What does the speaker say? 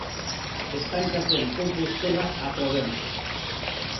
Está en cartel en Compostela ata o venres.